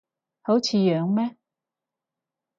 好似樣咩